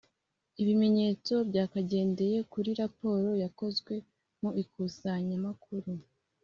Ibimenyetso byakagendeye kuri raporo yakozwe mu ikusanyamakuru.